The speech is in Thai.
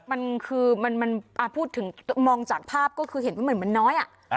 อ่ะพูดถึงมองจากภาพก็คือเห็นว่ามันน้อยอ่ะ